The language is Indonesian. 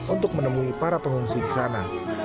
untuk menemui para pengungsi di sana